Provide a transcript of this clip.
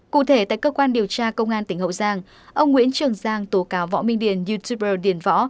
cụ thể tại cơ quan điều tra công an tỉnh hậu giang ông nguyễn trường giang tố cáo võ minh điền youtuber điền võ